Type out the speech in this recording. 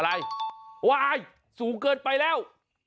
อะไรว้ายสูงเกินไปแล้ว